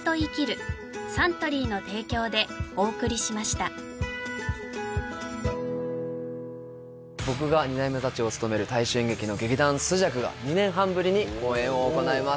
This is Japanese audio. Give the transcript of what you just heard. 多分僕が２代目座長を務める大衆演劇の「劇団朱雀」が２年半ぶりに公演を行います